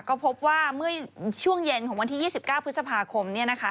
ก็พบว่าเมื่อช่วงเย็นของวันที่๒๙พฤษภาคม